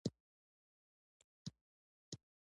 په تیارې کې یې ما ته کتل، چې ډېره خپه ښکارېده.